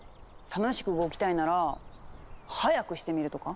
楽しく動きたいなら速くしてみるとか。